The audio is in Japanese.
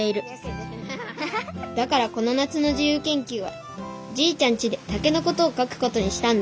だからこの夏のじゆうけんきゅうはじいちゃんちで竹のことを書くことにしたんだ